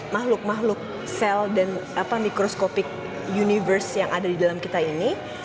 makhluk makhluk sel dan mikroskopik universe yang ada di dalam kita ini